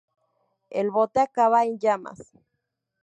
El bote acaba en llamas.